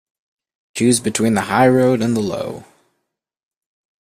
Choose between the high road and the low.